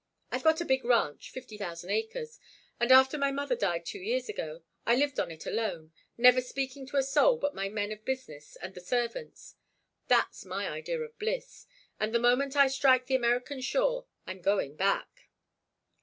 I've got a big ranch—fifty thousand acres—and after my mother died, two years ago I lived on it alone, never speaking to a soul but my men of business and the servants. That's my idea of bliss, and the moment I strike the American shore I'm going back."